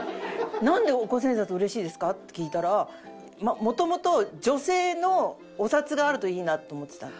「なんで五千円札うれしいんですか」って聞いたらもともと女性のお札があるといいなって思ってた。